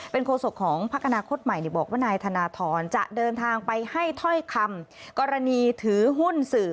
โฆษกของพักอนาคตใหม่บอกว่านายธนทรจะเดินทางไปให้ถ้อยคำกรณีถือหุ้นสื่อ